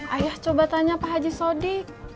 ayah coba tanya pak haji sodik